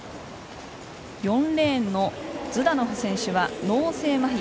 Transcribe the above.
４レーンのズダノフ選手は脳性まひ。